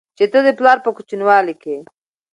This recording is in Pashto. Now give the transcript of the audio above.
چې ته دې پلار په کوچينوالي کې